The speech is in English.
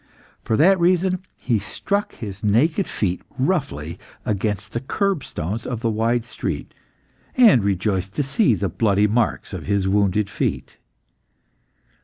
For that reason he struck his naked feet roughly against the kerb stones of the wide street, and rejoiced to see the bloody marks of his wounded feet.